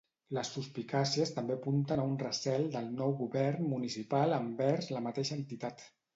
Les suspicàcies també apunten a un recel del nou govern municipal envers la mateixa entitat.